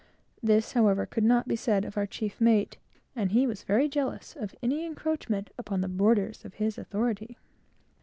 This, however, could not be said of our chief mate; and he was very jealous of any encroachment upon the borders of his authority.